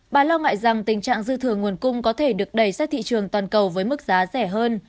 bà lo ngại rằng tình trạng dư thừa nguồn cung có thể được đẩy ra thị trường toàn cầu với mức giá rẻ hơn